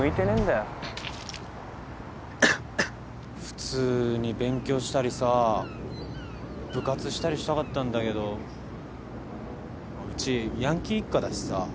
普通に勉強したりさ部活したりしたかったんだけどうちヤンキー一家だしさ。